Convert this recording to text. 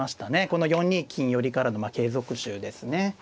この４二金寄からの継続手ですね。